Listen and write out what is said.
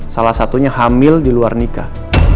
salah satunya hamil di luar nikah